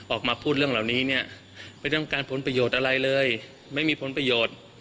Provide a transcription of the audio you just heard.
ออกมาพูดเรื่องเหล่านี้เนี่ยไม่ต้องการผลประโยชน์อะไรเลยไม่มีผลประโยชน์